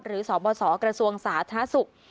หรือสบศกระทรวงศ์สาธารณสุข